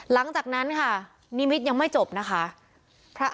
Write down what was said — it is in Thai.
หลังจากนั้นค่ะนิมิตยังไม่จบนะคะ